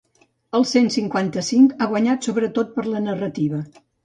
El cent cinquanta-cinc ha guanyat sobretot per la narrativa.